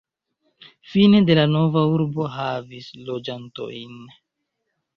Fine de la nova urbo havis loĝantojn.